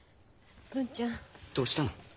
文ちゃん。どうしたの？